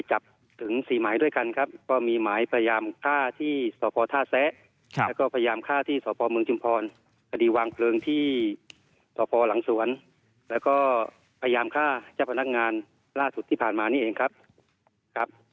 แล้วก็พยายามฆ่าเจ้าพนักงานล่าสุดที่ผ่านมานี่เองครับ